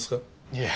いえ